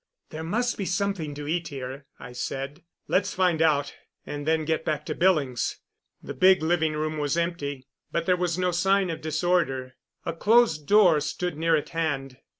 "There must be something to eat here," I said. "Let's find out and then get back to Billings." The big living room was empty, but there was no sign of disorder. A closed door stood near at hand.